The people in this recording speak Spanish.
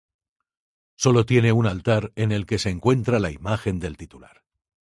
Sólo tiene un altar en el que se encuentra la imagen del titular.